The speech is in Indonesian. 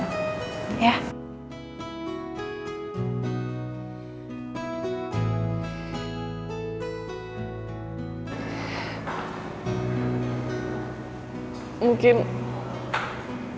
mungkin aku belum bisa mencintai andi